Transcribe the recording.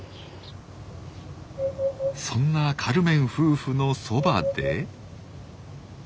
そんなカルメン夫婦のそばで。